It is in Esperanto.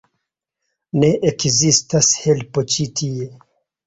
Ne ekzistas helpo ĉi tie.